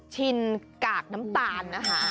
ชินกากน้ำตาลนะคะ